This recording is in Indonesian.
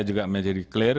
ini juga menjadi clear